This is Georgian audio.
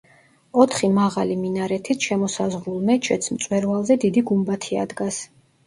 ოთხი მაღალი მინარეთით შემოსაზღვრულ მეჩეთს მწვერვალზე დიდი გუმბათი ადგას.